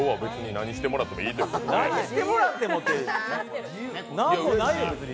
何してもらってもって何もないよ、別に。